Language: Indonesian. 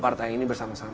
partai ini bersama sama